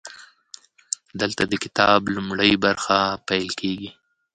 دلته د کتاب لومړۍ برخه پیل کیږي.